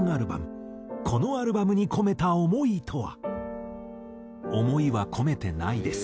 このアルバムに込めた思いとは？